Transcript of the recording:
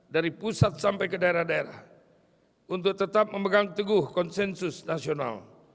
dari pusat sampai ke daerah daerah untuk tetap memegang teguh konsensus nasional